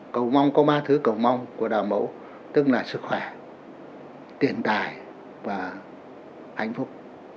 cầu mong có ba thứ cầu mong của đạo mẫu tức là sức khỏe tiền tài và hạnh phúc